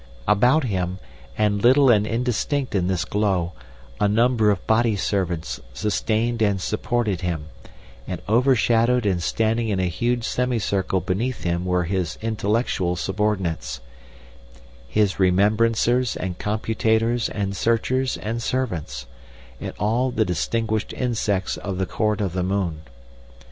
About him, and little and indistinct in this glow, a number of body servants sustained and supported him, and overshadowed and standing in a huge semicircle beneath him were his intellectual subordinates, his remembrancers and computators and searchers and servants, and all the distinguished insects of the court of the moon.